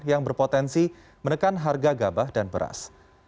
yang berpotensi menekan harga gabah dan beras